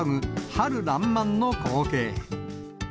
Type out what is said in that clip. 春らんまんの光景。